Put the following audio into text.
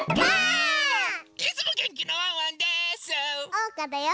おうかだよ！